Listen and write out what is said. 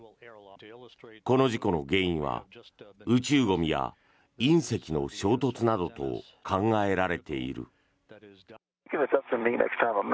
この事故の原因は宇宙ゴミや隕石の衝突などと考えられている。